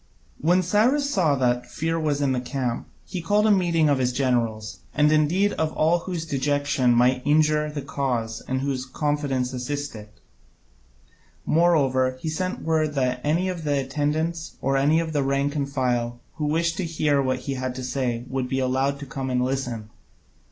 When Cyrus saw that fear was in the camp, he called a meeting of his generals, and indeed of all whose dejection might injure the cause and whose confidence assist it. Moreover, he sent word that any of the attendants, or any of the rank and file, who wished to hear what he had to say, would be allowed to come and listen.